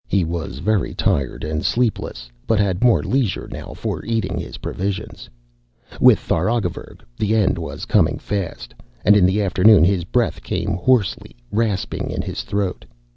He was very tired and sleepless, but had more leisure now for eating his provisions. With Tharagavverug the end was coming fast, and in the afternoon his breath came hoarsely, rasping in his throat.